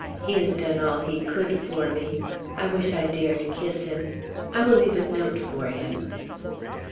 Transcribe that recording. He has done all he could for me. I wish I dared kiss him. I will leave a note for him."